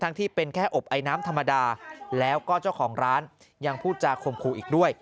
ที่เป็นแค่อบไอน้ำธรรมดาแล้วก็เจ้าของร้านยังพูดจาคมครูอีกด้วย